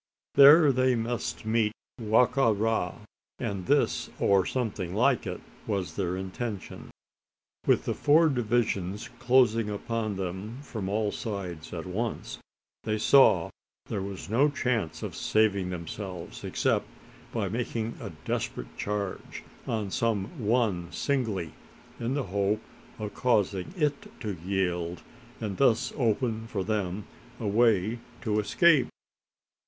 There they must meet Wa ka ra. And this or something like it, was their intention. With the four divisions closing upon them from all sides at once, they saw there was no chance of saving themselves except by making a desperate charge on some one singly, in the hope of causing it to yield, and thus open for them a way of escape.